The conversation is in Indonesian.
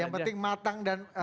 yang penting matang dan